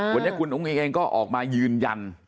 วันนี้คุณอุ้งอิงเองก็ออกมายืนยัน